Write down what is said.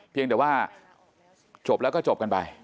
เพียงแต่ว่าจบแล้วก็จบกันไป